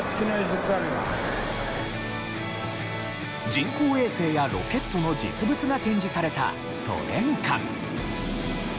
人工衛星やロケットの実物が展示されたソ連館。